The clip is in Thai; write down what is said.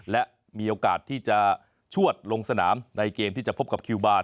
และมีโอกาสที่จะชวดลงสนามในเกมที่จะพบกับคิวบาร์